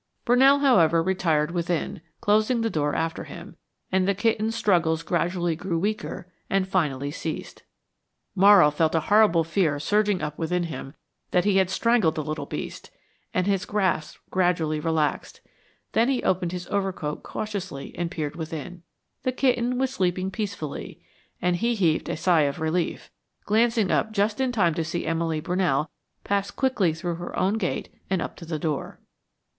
Brunell, however, retired within, closing the door after him, and the kitten's struggles gradually grew weaker and finally ceased. Morrow felt a horrible fear surging up within him that he had strangled the little beast, and his grasp gradually relaxed. Then he opened his overcoat cautiously and peered within. The kitten was sleeping peacefully, and he heaved a sigh of relief, glancing up just in time to see Emily Brunell pass quickly through her own gate and up to the door.